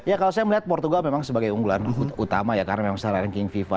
ya kalau saya melihat portugal memang sebagai unggulan utama ya karena memang secara ranking fifa